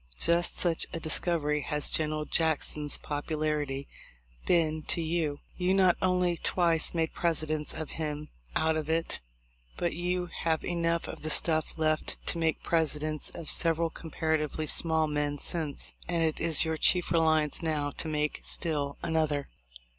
Just such a dis covery has General Jackson's popularity been to you. You not only twice made Presidents of him out of it, but you have enough of the stuff left to make Presidents of several comparatively small men since; and it is your chief reliance now to make still another.